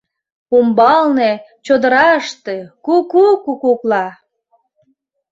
Умбалне, чодыраште, куку кукукла.